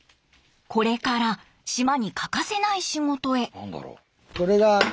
これから島に欠かせない仕事へ。